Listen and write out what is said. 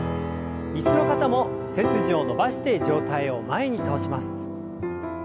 椅子の方も背筋を伸ばして上体を前に倒します。